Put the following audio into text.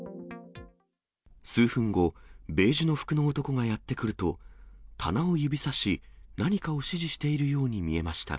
数分後、ベージュの服の男がやって来ると、棚を指さし、何かを指示しているように見えました。